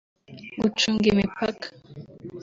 gucunga imipaka